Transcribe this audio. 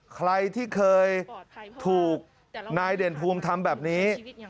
ใครที่เคยถูกนายเด่นภูมิทำแบบนี้